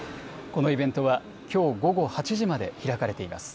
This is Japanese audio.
このイベントは、きょう午後８時まで開かれています。